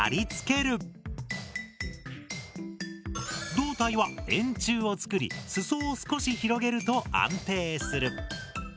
胴体は円柱を作りすそを少し広げると安定する。